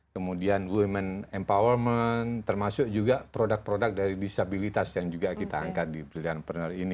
kemudian women empowerment termasuk juga produk produk dari disabilitas yang juga kita angkat di brilliantpreneur ini